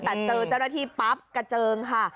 แต่เตอร์เต้อนาทีปั๊บกระเจิงค่ะ